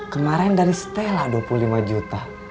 kemarin dari stella dua puluh lima juta